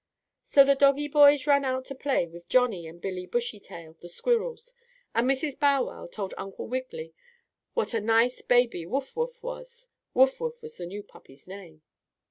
So the doggie boys ran out to play with Johnnie and Billie Bushytail, the squirrels, and Mrs. Bow Wow told Uncle Wiggily what a nice baby Wuff Wuff was. Wuff Wuff was the new puppy's name.